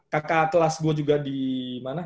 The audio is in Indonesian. kakak kelas gue juga di mana